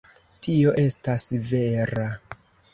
Tio estas vera.